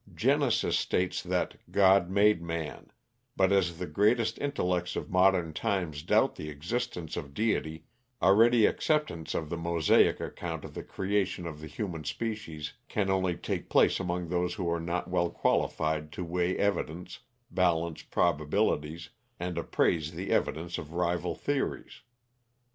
Genesis states that "god made man," but as the greatest intellects of modern times doubt the existence of deity, a ready acceptance of the Mosaic account of the creation of the haman species can only take place among those who are not well qualified to weigh evidence, balance probabilities, and appraise the evidence of rival theories.